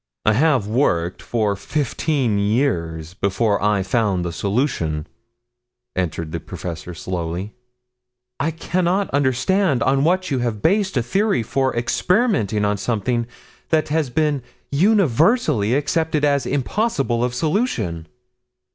"I have worked for fifteen years before I found the solution," answered the professor slowly. "I cannot understand on what you could have based a theory for experimenting on something that has been universally accepted as impossible of solution."